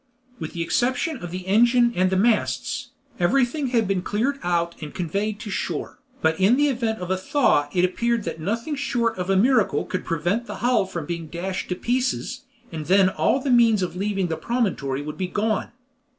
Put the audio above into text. With the exception of the engine and the masts, everything had been cleared out and conveyed to shore, but in the event of a thaw it appeared that nothing short of a miracle could prevent the hull from being dashed to pieces, and then all means of leaving the promontory would be gone.